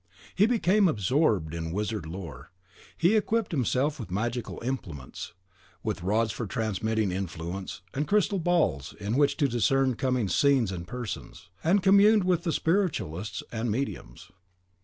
He became absorbed in wizard lore; he equipped himself with magical implements, with rods for transmitting influence, and crystal balls in which to discern coming scenes and persons; and communed with spiritualists and mediums.